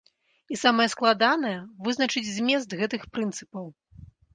І самае складанае, вызначыць змест гэтых прынцыпаў.